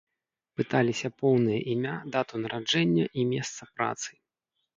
Пыталіся поўнае імя, дату нараджэння і месца працы.